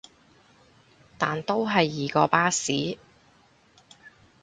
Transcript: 但都係易過巴士